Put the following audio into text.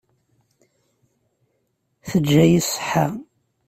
Teǧǧa-yi ṣṣeḥḥa.